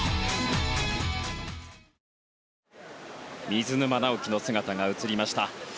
水沼尚輝の姿が映りました。